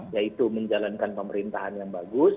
yaitu menjalankan pemerintahan yang bagus